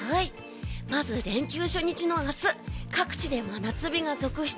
まず連休初日の明日各地で真夏日が続出。